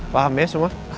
paham ya semua